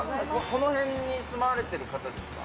この辺に住まわれてる方ですか。